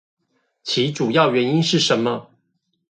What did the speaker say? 其主要原因是什麼？